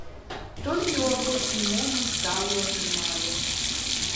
Толькі ў апошні момант залу атрымалі.